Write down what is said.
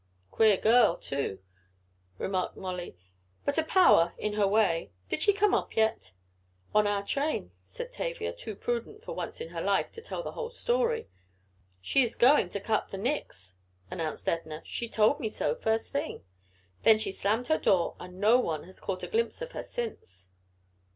"Queer girl, too," remarked Molly, "but a power in her way. Did she come up yet?" "On our train," said Tavia, too prudent, for once in her life, to tell the whole story. "She is going to cut the Nicks," announced Edna. "She told me so first thing. Then she slammed her door and no one has caught a glimpse of her since."